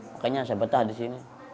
makanya saya betah di sini